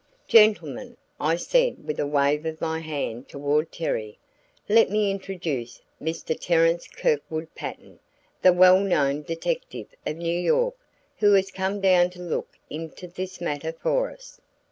"Gentlemen," I said with a wave of my hand toward Terry, "let me introduce Mr. Terence Kirkwood Patten, the well known detective of New York, who has come down to look into this matter for us."